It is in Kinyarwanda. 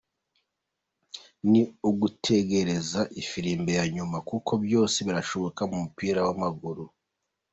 Ni ugutegereza ifirimbi ya nyuma kuko byose birashoboka mu mupira w’amaguru.